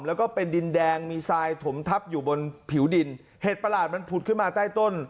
แล้วก็เป็นดินแดงมีทรายถมทับอยู่บนผิวดินเห็ดประหลาดมันผุดขึ้นมาใต้ต้น